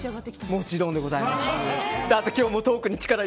もちろんでございます。